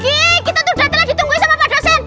kita tuh telah telah ditungguin sama pak dosen